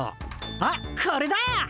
あっこれだ。